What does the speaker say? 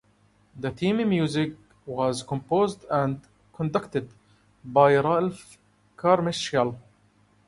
The theme music was composed and conducted by Ralph Carmichael.